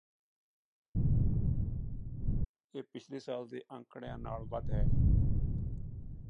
ਇਹ ਪਿਛਲੇ ਸਾਲ ਦੇ ਅੰਕੜਿਆਂ ਨਾਲ ਵੱਧ ਹੈ